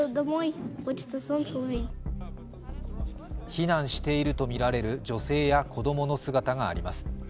避難しているとみられる女性や子供の姿が見られます。